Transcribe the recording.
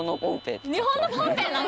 日本のポンペイなん？